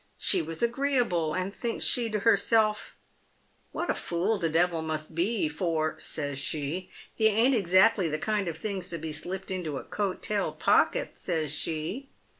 She was agreeable, and thinks she to herself, ' "What a fool the devil must be, for,' says she, ' they ain't exactly the kind of things to be slipped into a coat tail pocket,' says she.